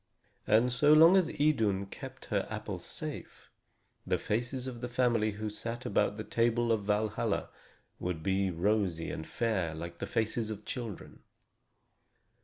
And so long as Idun kept her apples safe, the faces of the family who sat about the table of Valhalla would be rosy and fair like the faces of children.